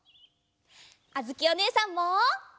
あづきおねえさんも。